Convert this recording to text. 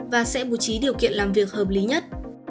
và sẽ bố trí điều kiện làm việc hợp lý nhất